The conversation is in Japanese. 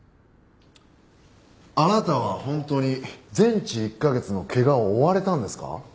あなたは本当に全治１カ月の怪我を負われたんですか？